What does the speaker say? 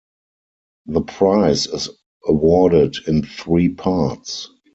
The prize is awarded in three parts.